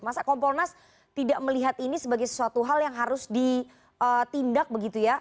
masa kompolnas tidak melihat ini sebagai sesuatu hal yang harus ditindak begitu ya